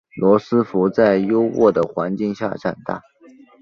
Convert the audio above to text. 罗斯福在优渥的环境下长大。